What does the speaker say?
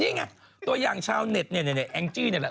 นี่ไงตัวอย่างชาวเน็ตเนี่ยแองจี้นี่แหละ